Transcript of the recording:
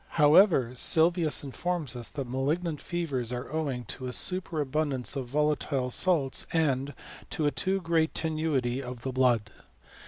Howeyer, Sylvius informs us that malignant fevers are owing to a superabundance of volatile salts and to a too great tenuity of the blood.